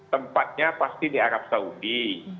tempatnya pasti di arab saudi